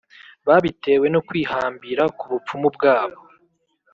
babitewe no kwihambira ku bupfumu bwabo,